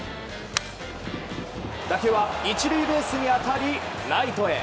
打球は１塁ベースに当たりライトへ。